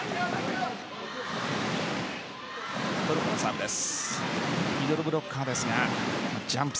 トルコのサーブです。